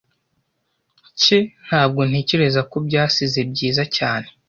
cye. Ntabwo ntekereza ko byasize byiza cyane.